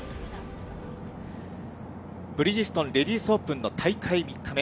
ブリヂストンレディスオープンの大会３日目。